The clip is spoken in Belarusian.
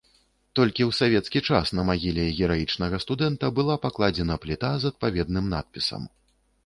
Толькі ў савецкі час на магіле гераічнага студэнта была пакладзена пліта з адпаведным надпісам.